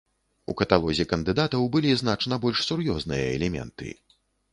У каталозе кандыдатаў былі значна больш сур'ёзныя элементы.